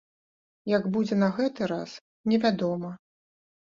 Як будзе на гэты раз, невядома.